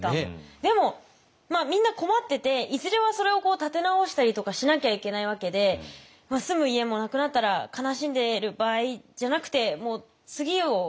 でもみんな困ってていずれはそれを建て直したりとかしなきゃいけないわけで住む家もなくなったら悲しんでる場合じゃなくてもう次を。